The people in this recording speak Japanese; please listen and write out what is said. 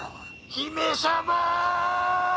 姫様‼